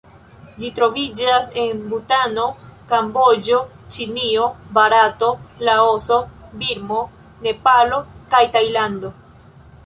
Ĝi troviĝas en Butano, Kamboĝo, Ĉinio, Barato, Laoso, Birmo, Nepalo, kaj Tajlando.